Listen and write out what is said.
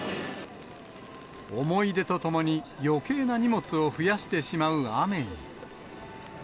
思い出とともに、余計な荷物を増やしてしまう雨に。